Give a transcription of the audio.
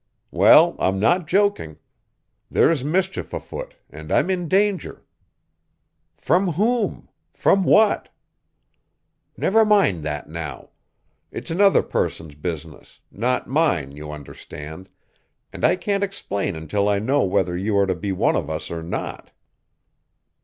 "Well, I'm not joking. There's mischief afoot, and I'm in danger." "From whom? From what?" "Never mind that now. It's another person's business not mine, you understand and I can't explain until I know whether you are to be one of us or not."